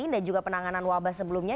dan juga penanganan wabah sebelumnya